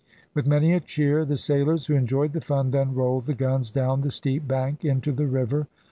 With many a cheer the sailors, who enjoyed the fun, then rolled the guns down the steep bank into the river.